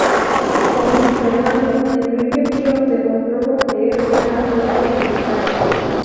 Como sus hermanos, Enrique Pío demostró poseer buenas dotes militares.